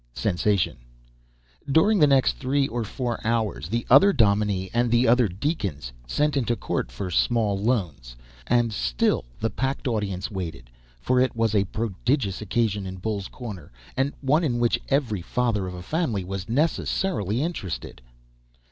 [Sensation.] During the next three or four hours the other dominie and the other deacons sent into court for small loans. And still the packed audience waited, for it was a prodigious occasion in Bull's Corners, and one in which every father of a family was necessarily interested.